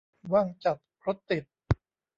ว่างจัด รถติด